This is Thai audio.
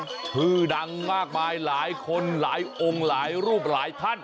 ชื่อดังมากมายหลายคนหลายองค์หลายรูปหลายท่าน